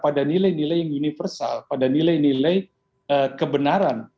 pada nilai nilai yang universal pada nilai nilai kebenaran